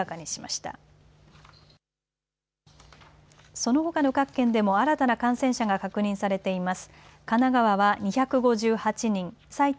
そのほかの各県でも新たな感染者が確認されています。